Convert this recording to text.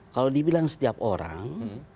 kalau dibilang setiap orang